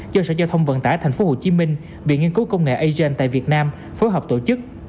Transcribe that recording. do sở giao thông vận tải tp hcm viện nghiên cứu công nghệ agen tại việt nam phối hợp tổ chức